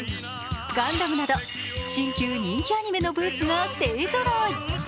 「ガンダム」など新旧人気アニメのブースが勢ぞろい。